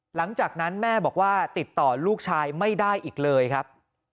หลังจากนั้นแม่บอกว่าติดต่อลูกชายไม่ได้อีกเลยครับ